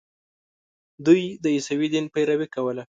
دوی د عیسوي دین پیروي کوله.